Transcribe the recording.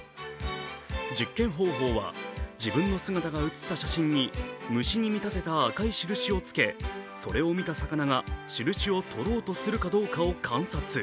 実験方法は、自分の姿が写った写真に虫に見立てた赤い印をつけそれを見た魚が、印をとろうとするかどうかを観察。